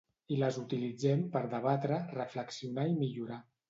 I les utilitzem per debatre, reflexionar i millorar.